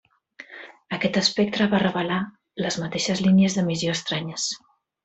Aquest espectre va revelar les mateixes línies d'emissió estranyes.